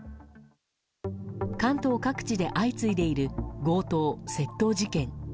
関東各地で相次いでいる強盗・窃盗事件。